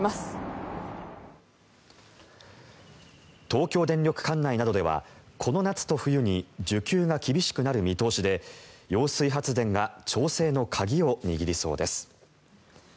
東京電力管内などではこの夏と冬に需給が厳しくなる見通しで揚水発電が調整の鍵を握りそうです。